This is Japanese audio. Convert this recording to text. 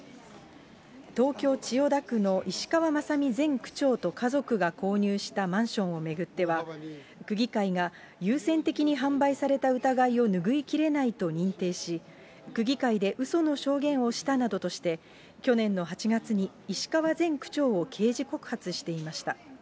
東京・千代田区の石川雅己前区長と家族が購入したマンションを巡っては、区議会が優先的に販売された疑いをぬぐい切れないと認定し、区議会でうその証言をしたなどとして、去年の８月に石川前区長を刑事告発していました。